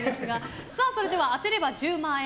それでは当てれば１０万円！